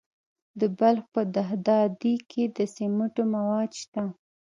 د بلخ په دهدادي کې د سمنټو مواد شته.